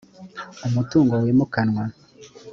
umutungo wimukanwa